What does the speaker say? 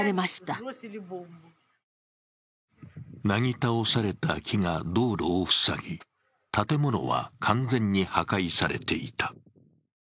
なぎ倒された木が道路を塞ぎ、建物は完全に破壊されていた。